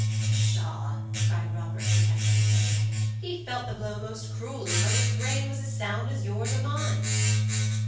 "Pshaw!" cried Robert, contemptuously; "he felt the blow most cruelly, but his brain was as sound as yours or mine."